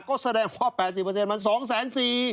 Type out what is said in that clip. ก็แสดงว่า๘๐เปอร์เซ็นต์มัน๒แสนสี่